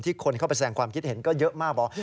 คนเข้าไปแสดงความคิดเห็นก็เยอะมากบอก